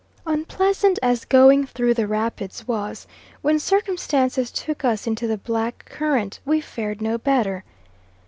Unpleasant as going through the rapids was, when circumstances took us into the black current we fared no better.